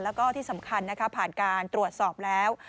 แล้วก็ที่สำคัญนะคะผ่านการตรวจสอบแล้ว